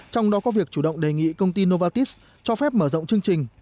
trong đó có việc chủ động đề nghị công ty novatis cho phép mở rộng chương trình